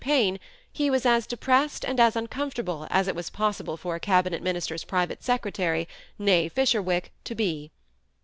pagne, he was as depressed and as uncomfortable as it was possible for a cabinet minister's private secretaiy, ne Fisherwick, to be.